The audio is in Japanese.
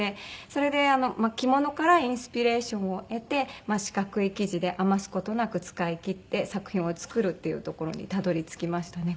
それで着物からインスピレーションを得て四角い生地で余す事なく使い切って作品を作るっていうところにたどり着きましたね。